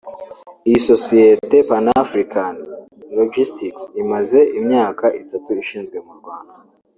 Iyi sosiyete Pan African Logistics imaze imyaka itatu ishinzwe mu Rwanda